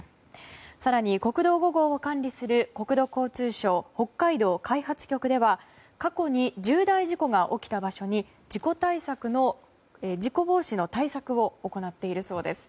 更に国道５号を管理する国土交通省北海道開発局では過去に重大事故が起きた場所に事故防止の対策を行っているそうです。